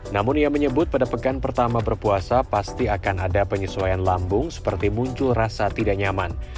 namun ia menyebut pada pekan pertama berpuasa pasti akan ada penyesuaian lambung seperti muncul rasa tidak nyaman